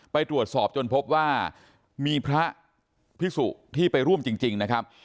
ไปตรวจสอบจนพบว่ามีพระพิสุที่ไปร่วมจริงนะครับ